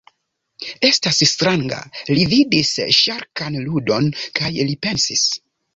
Estas stranga. Li vidis ŝarkan ludon, kaj li pensis: